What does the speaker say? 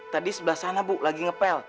tadi sebelah sana bu lagi ngepel